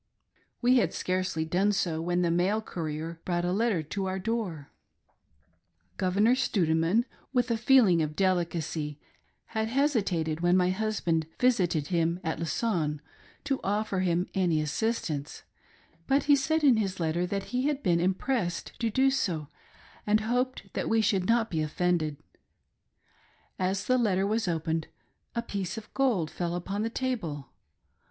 We had scarcely done so when the mail courier brought a letter to our door. THE TRIAL OF OUR FAITH. Hg Governor Stoudeman, with a feeling of delicacy, had hesi tated, when my husband visited him at Lausanne, to offer him any assistance ; but, he said in his letter, he had been " im pressed " to do so, and hoped that we should not be offended. As the letter was opened, a piece of gold fell upon the table.